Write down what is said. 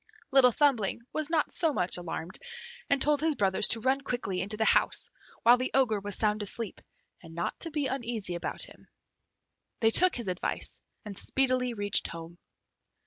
Little Thumbling was not so much alarmed, and told his brothers to run quickly into the house while the Ogre was sound asleep, and not to be uneasy about him. They took his advice and speedily reached home.